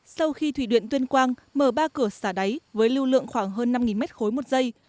sau khi thủy điện tuyên quang mở ba cửa xả đáy với lưu lượng khoảng hơn năm mét khối một giây